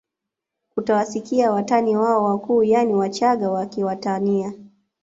Utawasikia watani wao wakuu yaani Wachaga wakiwatania